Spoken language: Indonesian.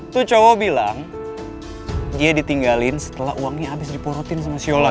tuh cowok bilang dia ditinggalin setelah uangnya abis diporotin sama si yolah